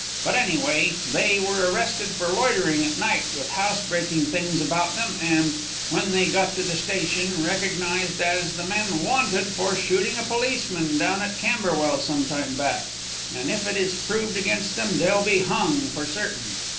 But, anyway, they were arrested for loitering at night with housebreaking things about them; and, when they were got to the station, recognized as the men 'wanted' for shooting a policeman down at Camberwell some time back, and if it is proved against them they'll be hung, for certain."